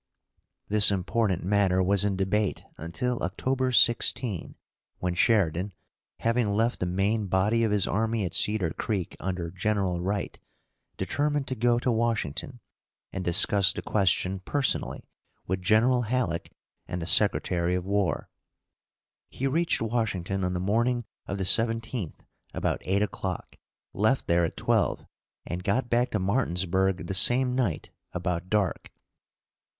This important matter was in debate until October 16, when Sheridan, having left the main body of his army at Cedar Creek under General Wright, determined to go to Washington, and discuss the question personally with General Halleck and the Secretary of War. He reached Washington on the morning of the 17th about eight o'clock, left there at twelve; and got back to Martinsburg the same night about dark.